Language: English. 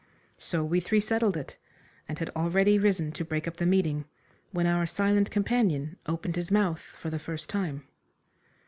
So we three settled it, and had already risen to break up the meeting, when our silent companion opened his month for the first time.